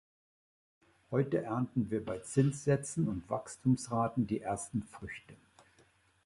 Heute ernten wir bei Zinssätzen und Wachstumsraten die ersten Früchte.